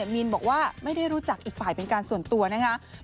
มีนบอกว่าไม่ได้รู้จักอีกฝ่ายเป็นการส่วนตัวนะคะ